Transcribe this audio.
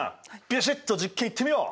ビシッと実験いってみよう！